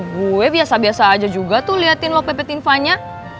gue biasa biasa aja juga tuh liatin lu pepetin vanya